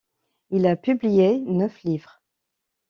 Il a publié neuf livres.